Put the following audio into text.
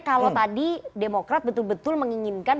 kalau tadi demokrat betul betul menginginkan